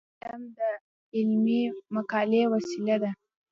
قلم د علمي مقالې وسیله ده